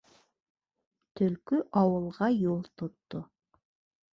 Төлкө ауылға юл тотто.